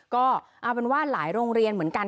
ก็เอาเป็นว่าหลายโรงเรียนเหมือนกัน